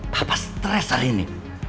papa stress hari ini